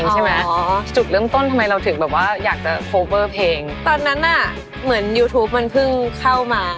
ใช่ไหมอ๋อจุดเริ่มต้นทำไมเราถึงแบบว่าอยากจะโคเวอร์เพลงตอนนั้นน่ะเหมือนยูทูปมันเพิ่งเข้ามา